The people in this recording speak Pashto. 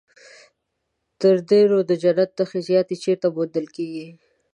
تر دې نو د جنت نښې زیاتې چیرته موندل کېږي.